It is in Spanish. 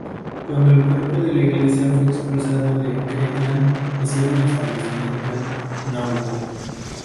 Cuando el cuerpo de la iglesia fue expulsado de Kirtland, hicieron establecimiento en Nauvoo.